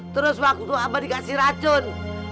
terus waktu dikasih racun